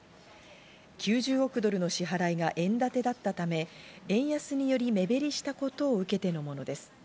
９０億ドルの支払いが円建てだったため、円安により目減りしたことを受けてのものです。